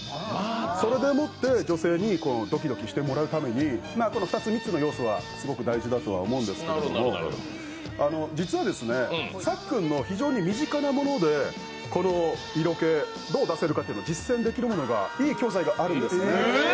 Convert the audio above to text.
それでもって女性にドキドキしてもらうために、この２つ、３つの要素がすごく大事だと思うんですけど実はですね、さっくんの非常に身近なもので色気、どう出せるか実践できるいい教材があるんです。